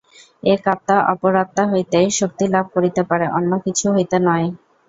এক আত্মা অপর আত্মা হইতেই শক্তি লাভ করিতে পারে, অন্য কিছু হইতে নয়।